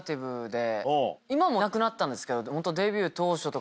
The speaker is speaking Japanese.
今はもうなくなったんですけど。